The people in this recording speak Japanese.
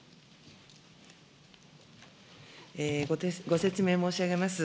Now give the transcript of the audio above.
ご説明申し上げます。